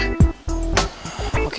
eh mau lagi